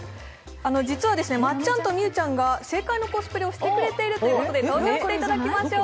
実はまっちゃんと美羽ちゃんが正解のコスプレをしてくれているということで登場していただきましょう。